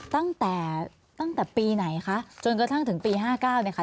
ตั้งแต่ปีไหนคะจนกระทั่งถึงปี๕๙นะคะ